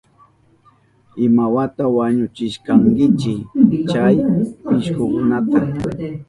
¿Imawata wañuchishkankichi chay pishkukunata?